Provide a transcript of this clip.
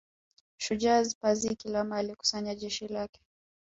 Shujaa Pazi Kilama alikusanya jeshi lake